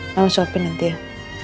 makan sopin nanti yah